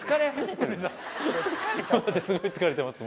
すごい疲れてます